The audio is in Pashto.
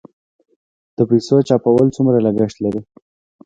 د پیسو چاپول څومره لګښت لري؟